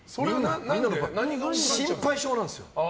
心配性なんですよ。